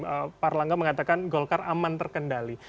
pak erlangga mengatakan golkar aman terkendali